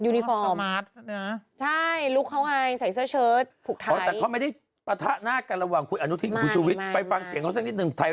อุ๊ยคุณชูวิทย์มากกว่าเพื่อนชอบการทางไป